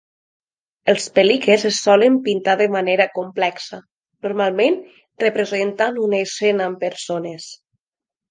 Els pelikes es solen pintar de manera complexa, normalment representant una escena amb persones.